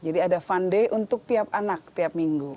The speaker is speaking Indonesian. jadi ada fund day untuk tiap anak tiap minggu